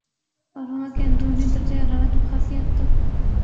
اور وہاں کے اندرونی درجہ حرارت کو خاصی حد تک